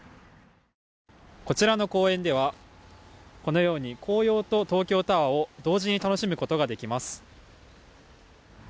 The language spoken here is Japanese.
こちらの公園では紅葉と東京タワーを同時に楽しむことができます。